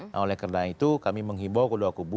nah oleh karena itu kami menghimbau kedua kubu